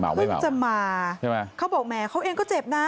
เมาไม่เมาใช่ไหมเค้าบอกแม่เค้าเองก็เจ็บนะ